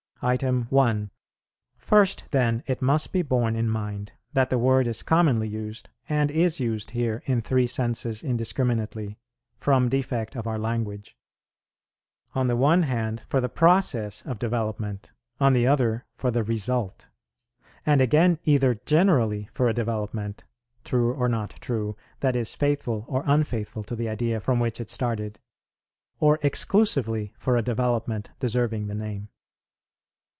1. First, then, it must be borne in mind that the word is commonly used, and is used here, in three senses indiscriminately, from defect of our language; on the one hand for the process of development, on the other for the result; and again either generally for a development, true or not true, (that is, faithful or unfaithful to the idea from which it started,) or exclusively for a development deserving the name.